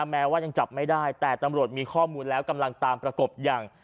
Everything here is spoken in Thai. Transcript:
แม้ว่ายังจับไม่ได้แต่ตำรวจมีข้อมูลแล้วกำลังตามประกบอย่าง